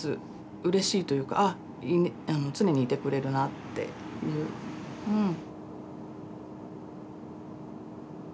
うれしいというか常にいてくれるなってうん。